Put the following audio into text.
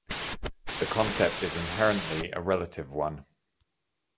The concept is inherently a relative one.